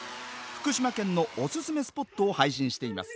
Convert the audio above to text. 福島県のおすすめスポットを配信しています。